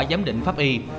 giám định pháp y